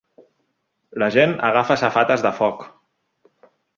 La gent agafa safates de foc.